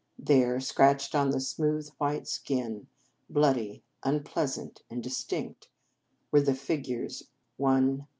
There, scratched on the smooth white skin, bloody, unpleasant, and distinct, were the figures 150.